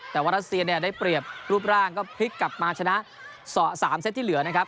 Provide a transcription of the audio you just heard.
แต่ว่ารัสเซียเนี่ยได้เปรียบรูปร่างก็พลิกกลับมาชนะ๓เซตที่เหลือนะครับ